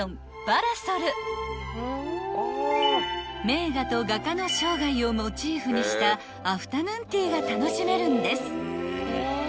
［名画と画家の生涯をモチーフにしたアフタヌーンティーが楽しめるんです］